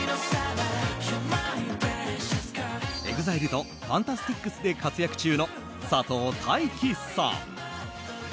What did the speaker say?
ＥＸＩＬＥとＦＡＮＴＡＳＴＩＣＳで活躍中の佐藤大樹さん。